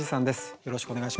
よろしくお願いします。